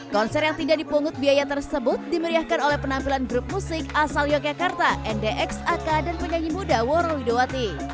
konser yang tidak dipungut biaya tersebut dimeriahkan oleh penampilan grup musik asal yogyakarta ndx ak dan penyanyi muda woro widowati